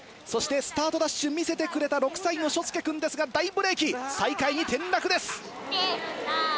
そしてスタートダッシュ見せてくれた６歳の渚介くんですが大ブレーキ最下位に転落です。